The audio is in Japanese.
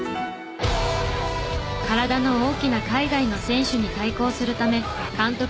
体の大きな海外の選手に対抗するため監督